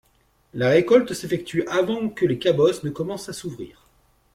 La récolte s'effectue avant que les cabosses ne commencent à s'ouvrir.